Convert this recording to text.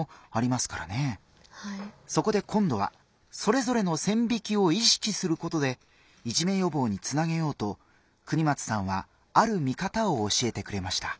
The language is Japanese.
そこで今度はそれぞれの線引きを意識することでいじめ予防につなげようと國松さんはある見方を教えてくれました。